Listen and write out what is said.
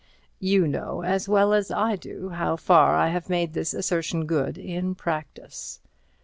You know as well as I do, how far I have made this assertion good in practice.